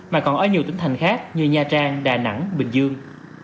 mà còn ở nhiều tỉnh thành khác như nha trang đà nẵng bình dương